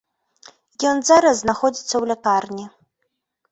Ён зараз знаходзіцца ў лякарні.